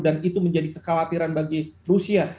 dan itu menjadi kekhawatiran bagi rusia